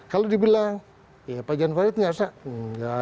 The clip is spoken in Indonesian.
kalau dibilang pak ian farid tidak salah